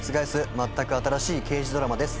まったく新しい刑事ドラマです。